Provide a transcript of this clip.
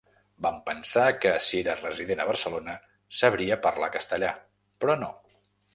Vam pensar que, si era resident a Barcelona, sabria parlar castellà, però no.